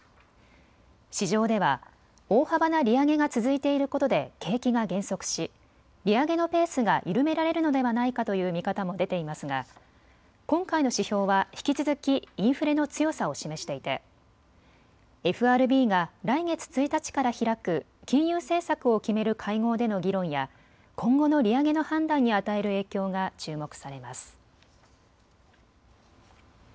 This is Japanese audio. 市場では大幅な利上げが続いていることで景気が減速し利上げのペースが緩められるのではないかという見方も出ていますが、今回の指標は引き続きインフレの強さを示していてＦＲＢが来月１日から開く金融政策を決める会合での議論や今後の利上げの判断に与える影響が注目されます。